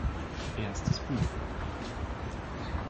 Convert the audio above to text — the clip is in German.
Erstes Buch.